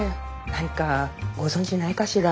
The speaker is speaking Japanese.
何かご存じないかしら？